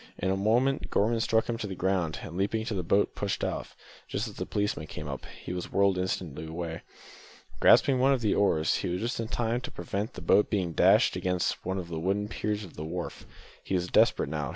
In a moment, Gorman struck him to the ground, and leaping into the boat pushed off, just as the policeman came up. He was whirled away instantly. Grasping one of the oars, he was just in time to prevent the boat being dashed against one of the wooden piers of a wharf. He was desperate now.